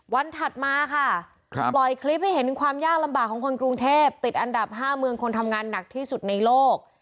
ถัดมาค่ะปล่อยคลิปให้เห็นถึงความยากลำบากของคนกรุงเทพติดอันดับ๕เมืองคนทำงานหนักที่สุดในโลก